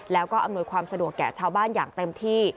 แล้วก็อำนวยความสะดวกแก่ชาวบ้านอย่างเต็มที่